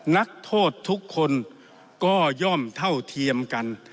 นักโทษทุกคนก็ย่อมเท่าเทียมกัน